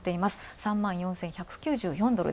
３４１９４ドル。